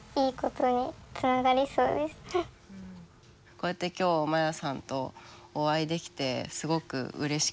こうやって今日マヤさんとお会いできてすごくうれしかったです。